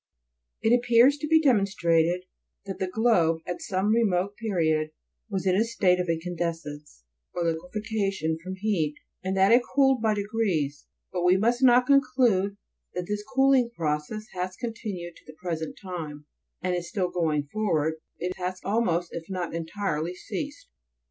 7. It appears to be demonstrated, that the globe, at some remote period, was in a state of incandescence, or liquefaction from heat, and that it cooled by degrees ; but we must not conclude that this cooling process has continued to the present time, and is still going forward ; it has almost, if not entirely, ceased.